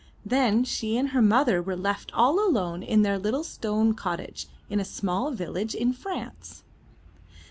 Then she and her mother were left all alone in their little stone cottage, in a small village in France.